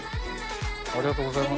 ありがとうございます。